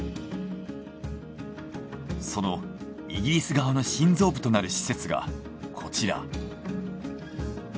そのイギリス側の心臓部となる施設がこちら。